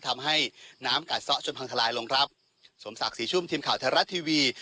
ทำให้น้ำกัดซะจนพังทลายลงครับสมศักดิ์ศรีชุ่มทีมข่าวไทยรัฐทีวี